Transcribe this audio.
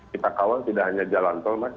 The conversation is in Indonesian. kita kawal tidak hanya jalan tol mas